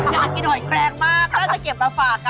อยากกินหอยแครงมากก็จะเก็บมาฝากครับ